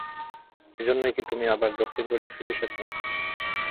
এজন্যই কি তুমি আবার দক্ষিণ কোরিয়ায় ফিরে এসেছ?